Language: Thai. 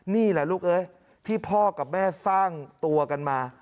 นี่แหละลูกเอ้ยที่พ่อกับแม่สร้างตัวกันมา